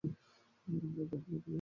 তাহলে চল বিয়ে করে ফেলি।